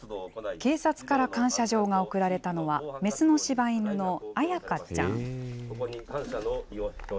警察から感謝状が贈られたのは、雌のしば犬の綾香ちゃん。